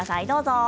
どうぞ。